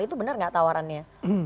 itu benar nggak tawarannya